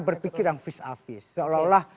berpikir yang vis a vis seolah olah